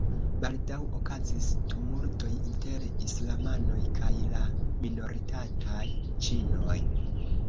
Baldaŭ okazis tumultoj inter islamanoj kaj la minoritataj ĉinoj.